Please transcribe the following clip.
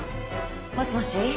もしもし。